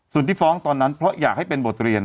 ส่วนที่ฟ้องตอนนั้นเพราะอยากให้เป็นบทเรียน